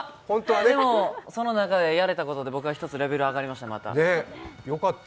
でも、その中でやれたことで僕は１つレベルが上がりました。